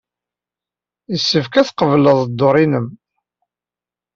Yessefk ad tqebled dduṛ-nnem.